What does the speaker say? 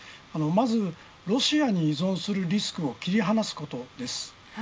まずロシアに依存するリスクを切り離すことです。